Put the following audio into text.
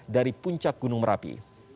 dari puncak gunung merapi